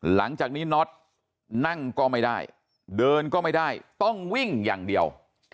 หลังจากนี้น็อตนั่งก็ไม่ได้เดินก็ไม่ได้ต้องวิ่งอย่างเดียว